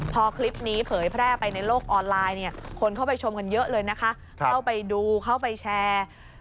พอคลิปนี้เผยแพร่ไปในโลกออนไลน์เนี่ยคนเข้าไปชมกันเยอะเลยนะคะเข้าไปดูเข้าไปแชร์